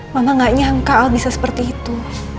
mama gak nyangka kalau bisa seperti itu